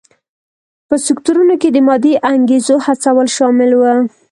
په سکتورونو کې د مادي انګېزو هڅول شامل و.